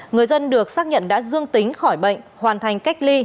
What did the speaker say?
người dân được xác nhận đã dương tính khỏi bệnh hoàn thành cách ly